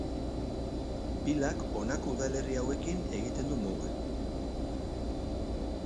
Pilak honako udalerri hauekin egiten du muga.